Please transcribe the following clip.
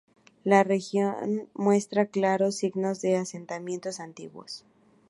La región muestra claros signos de asentamientos antiguos.